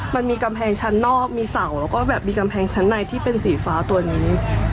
มันมีกำแพงชั้นนอกมีเสาแล้วก็แบบมีกำแพงชั้นในที่เป็นสีฟ้าตัวนี้